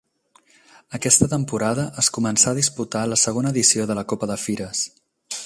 Aquesta temporada es començà a disputar la segona edició de la Copa de Fires.